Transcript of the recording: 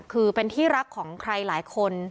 คือเป็นที่รักของใครหลายคน